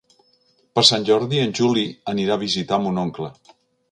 Per Sant Jordi en Juli anirà a visitar mon oncle.